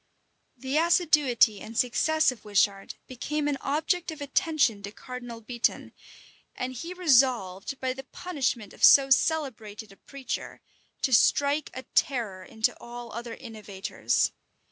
[*] The assiduity and success of Wishart became an object of attention to Cardinal Beatoun; and he resolved, by the punishment of so celebrated a preacher, to strike a terror into all other innovators.